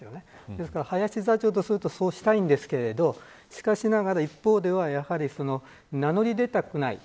ですから、林座長とするとそうしたいんですけれどもしかしながら一方ではやはり、名乗り出たくない。